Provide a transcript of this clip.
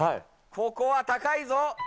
ここは高いぞ。